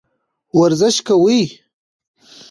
ورزش کوئ.